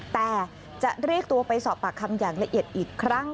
แต่จะเรียกตัวไปสอบปากคำอย่างละเอียดอีกครั้ง